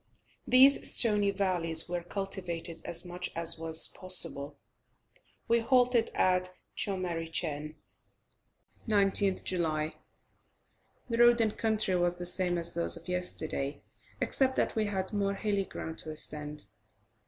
These stony valleys were cultivated as much as was possible. We halted at Tschomarichen. 19th July. The road and country was the same as those of yesterday, except that we had more hilly ground to ascend.